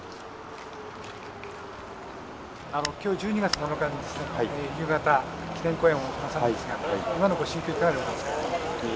今日１２月７日に夕方記念講演をなされますが今のご心境いかがでございますか？